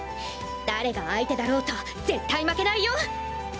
誰が相手だろうと絶対負けないよ！